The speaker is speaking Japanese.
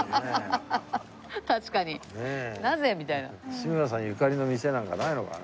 志村さんゆかりの店なんかないのかね？